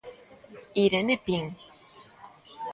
Irene Pin.